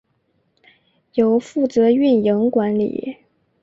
由负责运营管理。